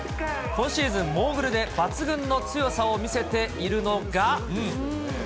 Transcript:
今シーズン、モーグルで抜群の強さを見せているのが。